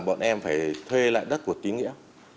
bọn em phải thuê lại đất của tín nghĩa